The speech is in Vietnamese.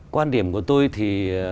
quan điểm của tôi thì